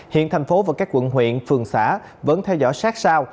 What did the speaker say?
hiện thành phố và các quận huyện phường xã vẫn theo dõi sát sao